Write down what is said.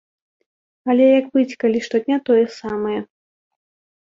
Але як быць, калі штодня тое самае?